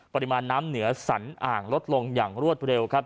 ปริมาณน้ำเหนือสันอ่างลดลงอย่างรวดเร็วครับ